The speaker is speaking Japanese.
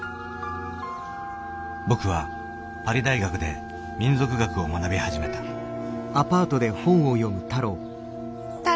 僕はパリ大学で民俗学を学び始めた・太郎。